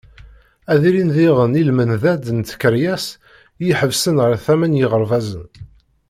Ad ilin diɣen i lmendad n tkeryas i iḥebbsen ɣer tama n yiɣerbazen.